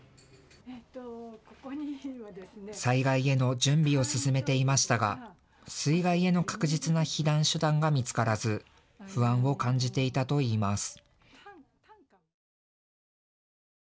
災害への準備を進めていましたが水害への確実な避難手段が見つからず不安を感じていたといいます。